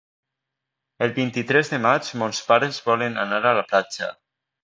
El vint-i-tres de maig mons pares volen anar a la platja.